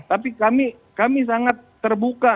tapi kami sangat terbuka